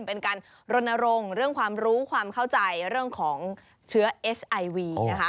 เป็นการรณรงค์เรื่องความรู้ความเข้าใจเรื่องของเชื้อเอสไอวีนะคะ